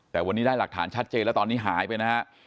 แต่วันนี้ได้หลักฐานชัดเจนแล้วตอนนี้หายไปนะฮะ